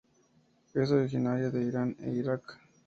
Es originaria de Irán e Iraq.